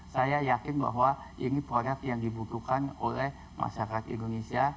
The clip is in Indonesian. saya yakin bahwa ini proyek yang dibutuhkan oleh masyarakat indonesia